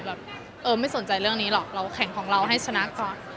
แบบเออไม่สนใจเรื่องนี้หรอกเราแข่งของเราให้ชนะก่อน